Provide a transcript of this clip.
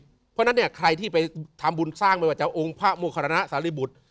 เพราะฉะนั้นเนี่ยใครที่ไปทำบุญสร้างไม่ว่าจะองค์พระโมคณะสาริบุตร